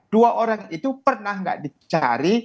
dua orang itu pernah nggak dicari